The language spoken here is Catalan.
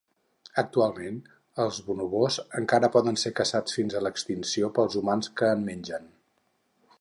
Actualment, els bonobos encara poden ser caçats fins a l'extinció pels humans que en mengen.